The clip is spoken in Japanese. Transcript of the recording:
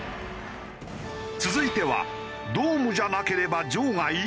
続いてはドームじゃなければ場外？